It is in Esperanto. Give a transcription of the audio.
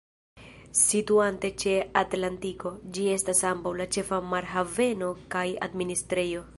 Situante ĉe Atlantiko, ĝi estas ambaŭ la ĉefa marhaveno kaj administrejo.